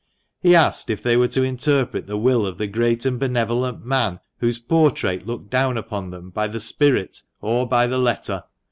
He asked if they were to interpret the will of the great and benevolent man, whose portrait looked down upon them, by the spirit or by the letter?